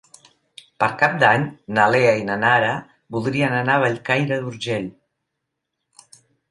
Per Cap d'Any na Lea i na Nara voldrien anar a Bellcaire d'Urgell.